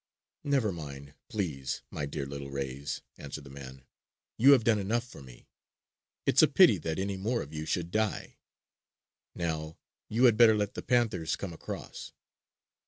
"Never mind, please, my dear little rays!" answered the man. "You have done enough for me! It's a pity that any more of you should die. Now you had better let the panthers come across."